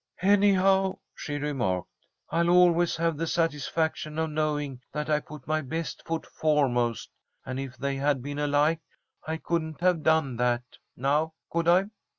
"Anyhow," she remarked, "I'll always have the satisfaction of knowing that I put my best foot foremost, and if they had been alike I couldn't have done that. Now could I?"